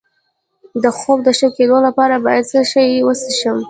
د خوب د ښه کیدو لپاره باید څه شی وڅښم؟